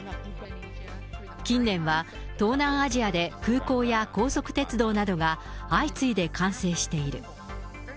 近年は、東南アジアで空港や高速鉄道などが相次いで完成している。